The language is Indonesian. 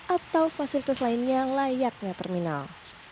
atau fasilitas lainnya layaknya terminal